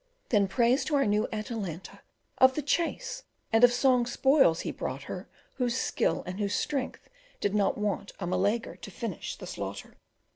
Then praise to our new Atalanta, Of the chase and of song spoils be brought her, Whose skill and whose strength did not want a Meleager to finish the slaughter.